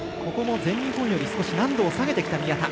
全日本選手権より少し難度を下げてきた宮田。